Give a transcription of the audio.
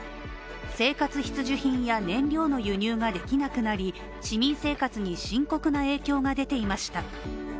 生活必需品や燃料の輸入ができなくなり、市民生活に深刻な影響が出ていました。